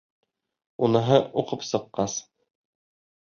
Уныһы уҡып сыҡҡас: